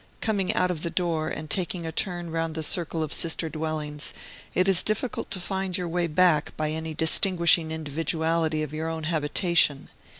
Coming out of the door, and taking a turn round the circle of sister dwellings, it is difficult to find your way back by any distinguishing individuality of your own habitation.